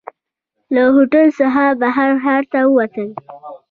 له هوټل څخه بهر ښار ته ووتلو.